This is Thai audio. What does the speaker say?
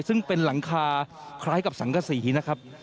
ซึ่งเป็นหลังคาคล้ายกับสังกษีนะครับ